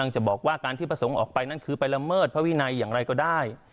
จะบอกว่าการที่พระสงฆ์ออกไปนั่นคือไปละเมิดพระวินัยอย่างไรก็ได้